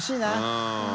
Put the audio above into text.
うん。